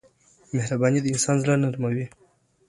مهرباني د انسان زړه نرموي.